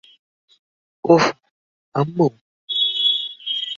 ওহ, আম্মু।